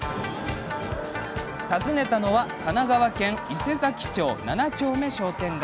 訪ねたのは神奈川県伊勢佐木町７丁目商店街。